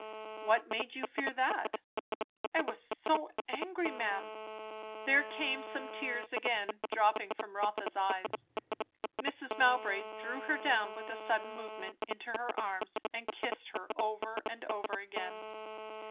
"What made you fear that?" "I was so angry, ma'am." There came some tears again, dropping from Rotha's eyes. Mrs. Mowbray drew her down with a sudden movement, into her arms, and kissed her over and over again.